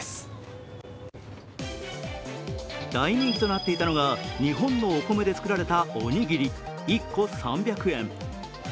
大人気となっていたのが日本のお米で作られたおにぎり１個３００円。